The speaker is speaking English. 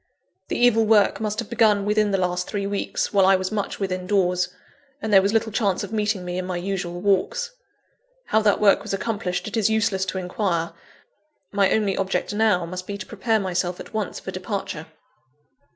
The evil work must have been begun within the last three weeks, while I was much within doors, and there was little chance of meeting me in my usual walks. How that work was accomplished it is useless to inquire; my only object now, must be to prepare myself at once for departure.